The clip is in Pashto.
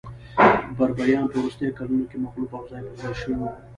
بربریان په وروستیو کلونو کې مغلوب او ځای پرځای شوي وو